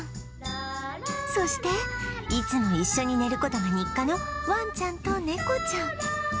そしていつも一緒に寝る事が日課のワンちゃんと猫ちゃん